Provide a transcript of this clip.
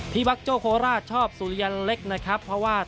พี่บัคโจโคราชชอบสุริยันเล็กนะครับ